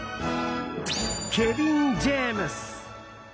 ケビン・ジェームス。